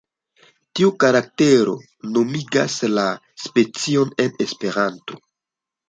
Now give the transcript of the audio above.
Tiu karaktero nomigas la specion en Esperanto.